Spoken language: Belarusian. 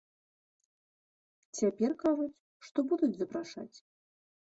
Цяпер кажуць, што будуць запрашаць.